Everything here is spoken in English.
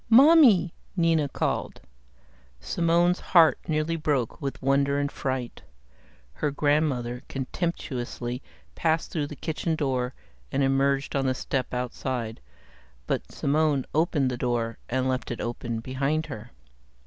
"Mommy," Nina called. Simone's heart nearly broke with wonder and fright. Her grandmother contemptuously passed through the kitchen door and emerged on the step outside, but Simone opened the door and left it open behind her.